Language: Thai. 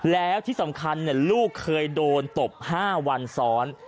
แล้วที่สำคัญลูกเคยโดนตบ๕วันซ้อน